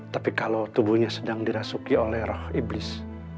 tapi kalau tubuhnya sedang dirasuki oleh rah iblis